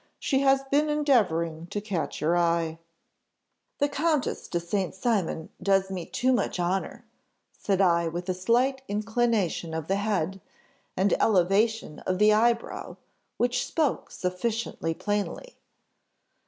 She has been endeavouring to catch your eye.' "'The Comtesse de St. Cymon does me too much honour,' said I with a slight inclination of the head, and elevation of the eyebrow, which spoke sufficiently plainly.